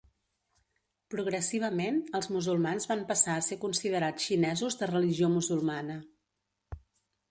Progressivament els musulmans van passar a ser considerats xinesos de religió musulmana.